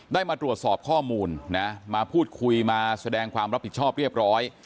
มาตรวจสอบข้อมูลนะมาพูดคุยมาแสดงความรับผิดชอบเรียบร้อย